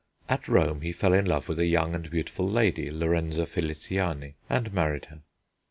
At Rome he fell in love with a young and beautiful lady, Lorenza Feliciani, and married her.